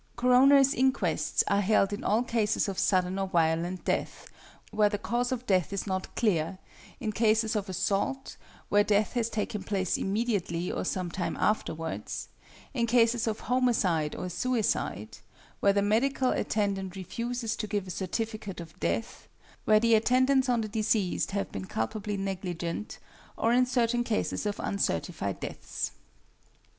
Coroners' inquests are held in all cases of sudden or violent death, where the cause of death is not clear; in cases of assault, where death has taken place immediately or some time afterwards; in cases of homicide or suicide; where the medical attendant refuses to give a certificate of death; where the attendants on the deceased have been culpably negligent; or in certain cases of uncertified deaths.